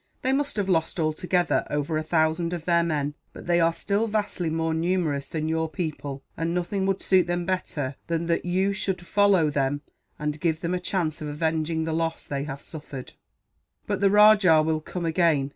"They must have lost, altogether, over a thousand of their men; but they are still vastly more numerous than your people, and nothing would suit them better than that you should follow them, and give them a chance of avenging the loss they have suffered." "But the rajah will come again.